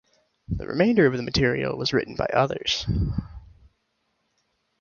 The remainder of the material was written by others.